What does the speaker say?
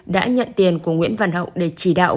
đã nhận tiền của nguyễn văn hậu để chỉ đạo